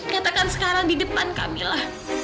katakan sekarang di depan kamila